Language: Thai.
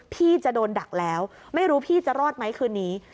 พี่จะโดนดักแล้วไม่รู้พี่จะรอดไหมคืนนี้